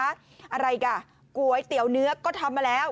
อะไรอ่ะก๋วยเตี๋ยวเนื้อก็ทำมาแล้ว